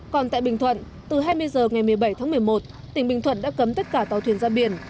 còn tại bình thuận từ hai mươi h ngày một mươi bảy tháng một mươi một tỉnh bình thuận đã cấm tất cả tàu thuyền ra biển